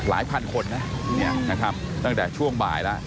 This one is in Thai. พันคนนะเนี่ยนะครับตั้งแต่ช่วงบ่ายแล้ว